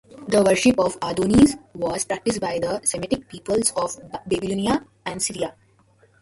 The worship of Adonis was practiced by the Semitic peoples of Babylonia and Syria.